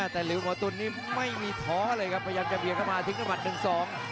แต่หลิวของตุ๋นนี้ไม่มีท้อเลยครับพยายามจะเบียดเข้ามาทิ้งด้วยหมัดหนึ่งสอง